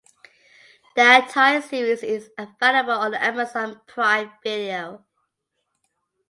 The entire series is available on Amazon Prime Video.